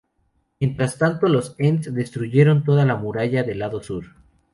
Mientras tanto los ents destruyeron toda la muralla del lado sur.